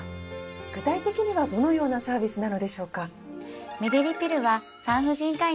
具体的にはどのようなサービスなのでしょうか？